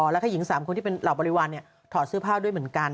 แล้วก็หญิง๓คนที่เป็นเหล่าบริวารถอดเสื้อผ้าด้วยเหมือนกัน